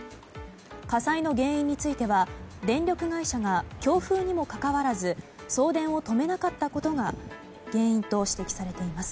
火災の原因については電力会社が強風にもかかわらず送電を止めなかったことが原因と指摘されています。